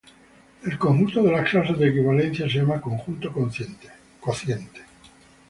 El conjunto de las clases de equivalencia se llama "conjunto cociente".